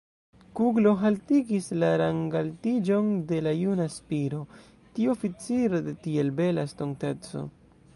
Kuglo haltigis la rangaltiĝon de la juna Spiro, tiu oficiro de tiel bela estonteco!